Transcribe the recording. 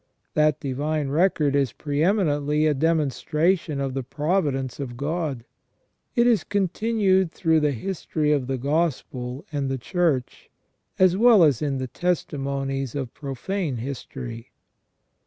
That divine record is pre eminently a demonstration of the providence of God. It is continued through the history of the Gospel and the Church, as well as in the testimonies of profane history.